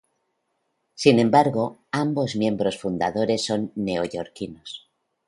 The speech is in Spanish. Sin embargo, ambos miembros fundadores son neoyorquinos.